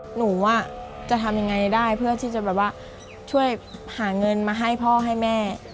หนูจะทำยังไงได้เพื่อที่จะแบบว่าช่วยหาเงินมาให้พ่อให้แม่